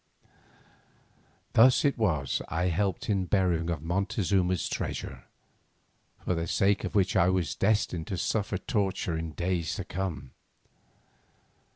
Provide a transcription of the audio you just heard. Thus it was that I helped in the burying of Montezuma's treasure, for the sake of which I was destined to suffer torture in days to come.